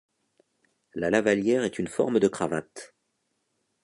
La lavallière est une forme de cravate.